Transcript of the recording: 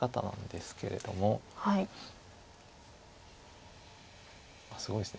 すごいですね。